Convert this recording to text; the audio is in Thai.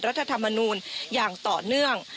รัฐธรรมนูลอย่างต่อเนื่อง